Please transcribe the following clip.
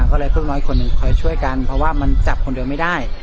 ก็เลยพวกน้อยคนหนึ่งคอยช่วยกันเพราะว่ามันจับคนเดียวไม่ได้